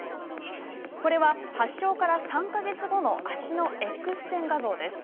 これは発症から３か月後の足のＸ線画像です。